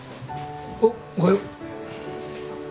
おっおはよう。